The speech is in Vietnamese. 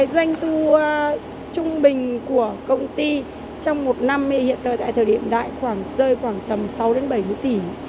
doanh thu trung bình của công ty trong một năm hiện tại thời điểm đại rơi khoảng tầm sáu bảy tỷ